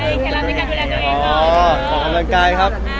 อ๋อน้องมีหลายคน